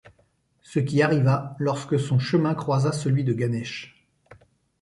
Ce qui arriva lorsque son chemin croisa celui de Ganesh.